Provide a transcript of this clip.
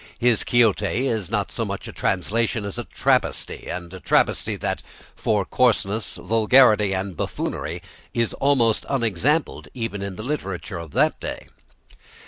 His "Quixote" is not so much a translation as a travesty, and a travesty that for coarseness, vulgarity, and buffoonery is almost unexampled even in the literature of that day.